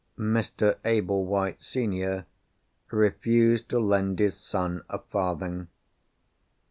Mr. Ablewhite, senior, refused to lend his son a farthing.